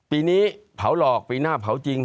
ปีนี้เผาหลอกปีหน้าเผาจริง